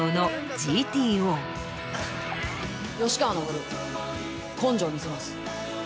吉川のぼる根性見せます。